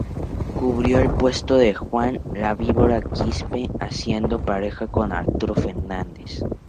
Cubrió el puesto de Juan 'La Víbora' Quispe, haciendo pareja con Arturo Fernández.